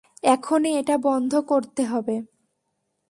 এখনই এটা বন্ধ করতে হবে।